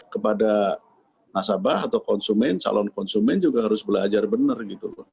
kepada nasabah atau konsumen calon konsumen juga harus belajar benar gitu loh